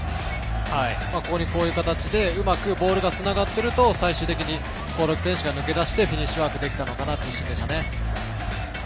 こういう形でうまくボールがつながっていくと最終的に興梠選手が抜け出してフィニッシュワークできたというシーンでしたね。